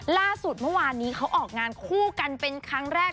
ล่าสุดเมื่อวานนี้เขาออกงานคู่กันเป็นครั้งแรก